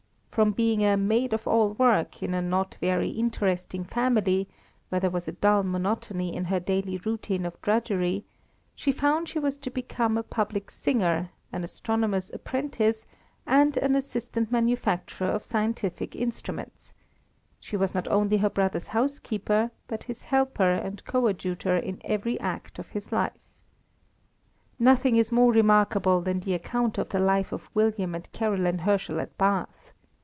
From being a maid of all work in a not very interesting family, where there was a dull monotony in her daily routine of drudgery, she found she was to become a public singer, an astronomer's apprentice, and an assistant manufacturer of scientific instruments; she was not only her brother's housekeeper, but his helper and coadjutor in every act of his life. Nothing is more remarkable than the account of the life of William and Caroline Herschel at Bath.